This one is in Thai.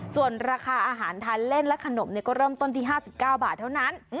ส่วนราคาอาหารทานเล่นและขนมก็เริ่มต้นที่๕๙บาทเท่านั้น